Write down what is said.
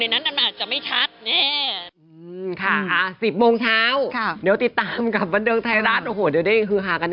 กลัวว่าจะต้องไปพบอยู่เหมือนกัน